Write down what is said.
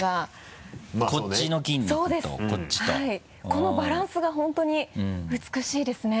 このバランスが本当に美しいですね。